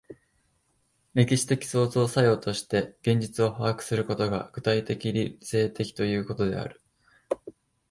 歴史的創造作用として現実を把握することが、具体的理性的ということである。